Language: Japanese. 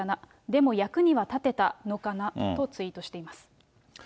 でも役には立てたのかなとツイートしています。